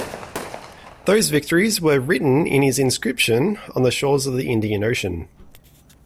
Those victories were written in his inscription on the shores of the Indian Ocean.